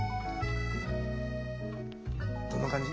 どんな感じ？